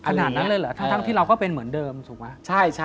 ขนาดนั้นเลยเหรอทั้งที่เราก็เป็นเหมือนเดิมถูกไหม